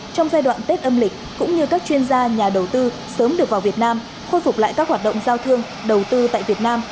trong giai đoạn tết âm lịch cũng như các chuyên gia nhà đầu tư sớm được vào việt nam khôi phục lại các hoạt động giao thương đầu tư tại việt nam